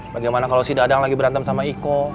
bagaimana kalau si dadang lagi berantem sama iko